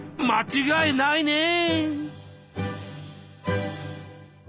間違いないね！